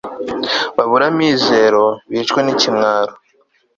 babure amizero, bicwe n'ikimwaro